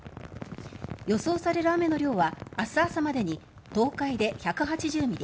予想される雨の量は明日朝までに東海で１８０ミリ